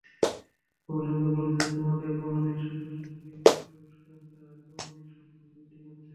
গবেষকেরা বলছেন, তামাক গ্রহণের সঙ্গে সঙ্গে ফুসফুস ক্যানসার আক্রান্তের সংখ্যাও বৃদ্ধি পাচ্ছে।